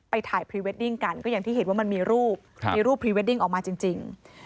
ถ่ายพรีเวดดิ้งกันก็อย่างที่เห็นว่ามันมีรูปมีรูปพรีเวดดิ้งออกมาจริง